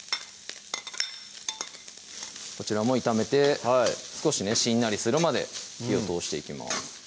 こちらも炒めて少しねしんなりするまで火を通していきます